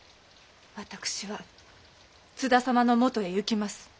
私は津田様のもとへ行きます。